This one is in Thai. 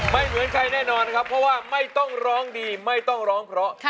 เหมือนใครแน่นอนครับเพราะว่าไม่ต้องร้องดีไม่ต้องร้องเพราะ